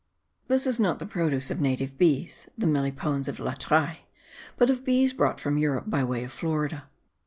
This is not the produce of native bees (the Melipones of Latreille), but of bees brought from Europe by way of Florida.